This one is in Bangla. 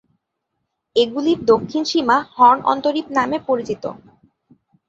এগুলির দক্ষিণ সীমা হর্ন অন্তরীপ নামে পরিচিত।